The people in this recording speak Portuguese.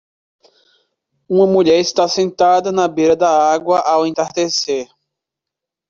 Uma mulher está sentada na beira da água ao entardecer.